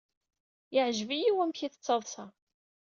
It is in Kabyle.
Yeɛjeb-iyi wamek ay tettaḍsa.